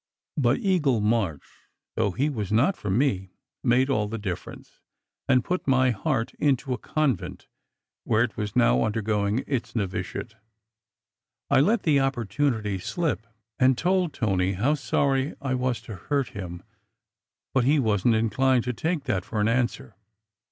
But Eagle March, though he was not for me, made all the difference, and put my heart into a convent where it was now undergoing its novitiate. I let the opportunity slip, and told Tony how sorry I was to hurt him. But he wasn t inclined to take that for an answer.